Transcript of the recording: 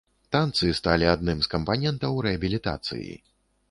Танцы сталі адным з кампанентаў рэабілітацыі.